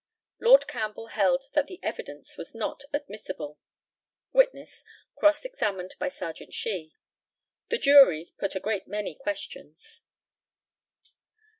Lord CAMPBELL held that the evidence was not admissible. Witness, cross examined by Serjeant SHEE: The jury put a great many questions.